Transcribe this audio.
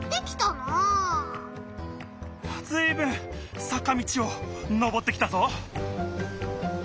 あずいぶんさか道をのぼってきたぞ。